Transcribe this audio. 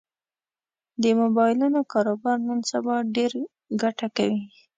د مبایلونو کاروبار نن سبا ډېره ګټه کوي